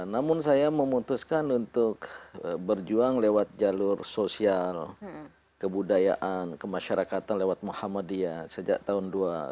namun saya memutuskan untuk berjuang lewat jalur sosial kebudayaan kemasyarakatan lewat muhammadiyah sejak tahun dua ribu